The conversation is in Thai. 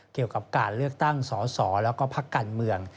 เกี่ยวกับการเลือกตั้งสอสอแล้วก็พักการเมือง